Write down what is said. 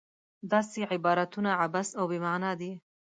داسې عبارتونه عبث او بې معنا دي.